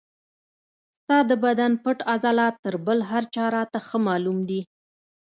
ستا د بدن پټ عضلات تر بل هر چا راته ښه معلوم دي.